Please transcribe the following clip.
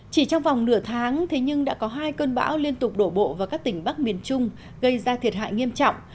chỉ trong vòng nửa tháng thế nhưng đã có hai cơn bão liên tục đổ bộ vào các tỉnh bắc miền trung gây ra thiệt hại nghiêm trọng